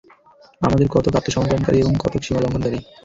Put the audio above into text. আমাদের কতক আত্মসমর্পণকারী, এবং কতক সীমালঙ্ঘনকারী।